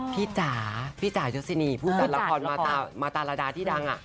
จ๋าพี่จ๋ายศินีผู้จัดละครมาตาราดาที่ดัง